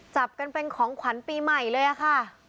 จับกันเป็นของขวัญปีใหม่เลยค่ะ